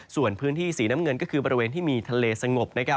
ส่วนพื้นที่สีน้ำเงินก็คือบริเวณที่มีทะเลสงบ